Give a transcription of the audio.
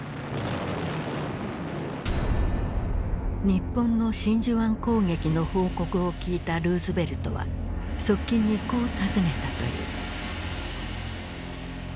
日本の真珠湾攻撃の報告を聞いたルーズベルトは側近にこう尋ねたという。